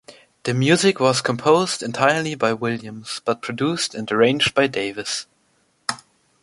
The music was composed entirely by Williams but produced and arranged by Davis.